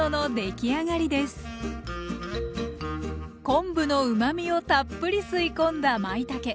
昆布のうまみをたっぷり吸い込んだまいたけ。